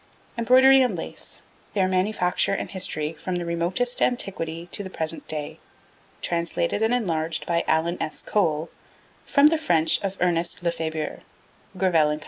Embroidery and Lace: Their Manufacture and History from the Remotest Antiquity to the Present Day. Translated and enlarged by Alan S. Cole from the French of Ernest Lefebure. (Grevel and Co.)